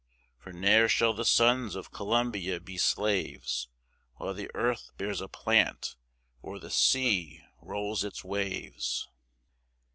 For ne'er shall the sons of Columbia be slaves, While the earth bears a plant, or the sea rolls its waves.